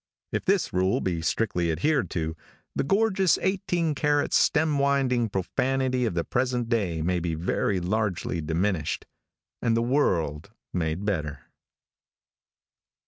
If this rule be strictly adhered to, the gorgeous eighteen karat stem winding profanity of the present day may be very largely diminished, and the world made better.